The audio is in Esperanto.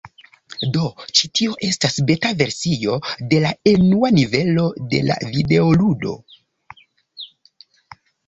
Do ĉi tio estas beta versio de la enua nivelo de la videoludo.